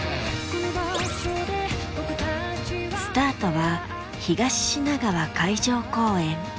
スタートは東品川海上公園。